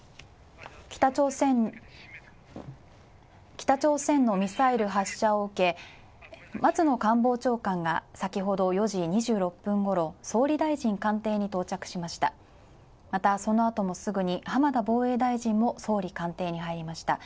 北朝鮮のミサイル発射を受け松野官房長官が先ほど４時２６分ごろ、総理大臣官邸に到着しました、またそのあともすぐに浜田防衛大臣も総理官邸に入りました。